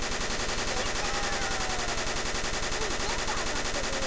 やった！スイぜんぶあたってるよ。